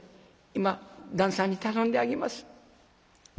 今旦さんに頼んであげます。